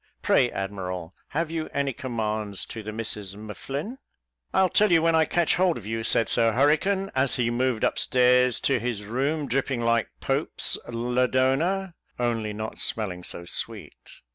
Pray, admiral, have you any commands to the Misses M'Flinn?" "I'll tell you when I catch hold of you," said Sir Hurricane, as he moved up stairs to his room, dripping like Pope's Lodona, only not smelling so sweet.